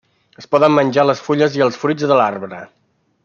Es poden menjar les fulles i els fruits de l'arbre.